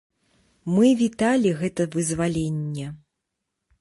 Мы віталі гэта вызваленне.